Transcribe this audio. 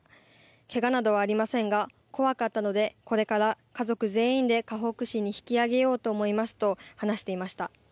けがなどはありませんが怖かったのでこれから家族全員でかほく市に引き上げようと思いますと話していました。